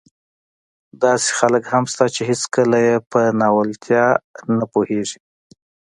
داسې خلک هم شته چې هېڅکله يې په ناولتیا نه پوهېږي.